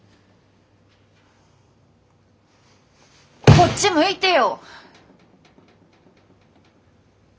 こっち向いてよ！